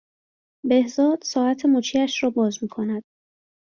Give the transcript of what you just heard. بهزاد ساعت مچیش را باز میکند